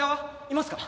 いますか？